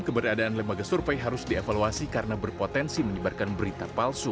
keberadaan lembaga survei harus dievaluasi karena berpotensi menyebarkan berita palsu